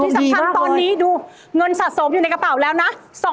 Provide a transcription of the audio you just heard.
สำคัญตอนนี้ดูเงินสะสมอยู่ในกระเป๋าแล้วนะ